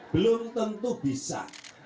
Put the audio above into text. belum tentu bisa